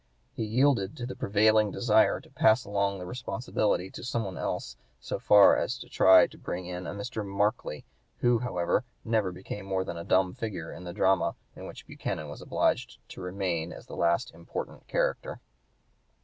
He yielded to the prevailing desire to pass along the responsibility to some one else so far as to try to bring in a Mr. Markley, who, however, never became more than a dumb figure in the drama in which Buchanan was obliged to remain as the last important character.